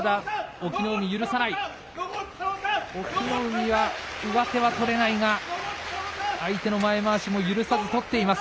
隠岐の海は上手は取れないが、相手の前まわしも許さず取っています。